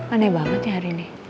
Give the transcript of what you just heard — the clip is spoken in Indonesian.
aneh banget nih hari ini